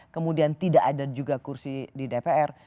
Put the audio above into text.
kemudian tidak ada juga kursi di dpr